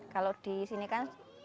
kalau disini kan